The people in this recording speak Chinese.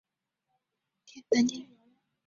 南京朝天宫冶山原有卞壸祠墓。